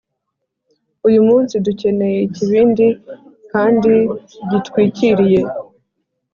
uyu munsi dukeneye ikibindi kandi gitwikiriye